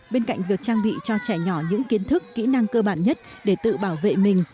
bên cạnh việc trang bị cho trẻ nhỏ những kiến thức kỹ năng cơ bản nhất để tự bảo vệ mình